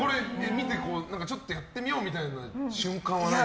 見てちょっとやってみようみたいな瞬間は？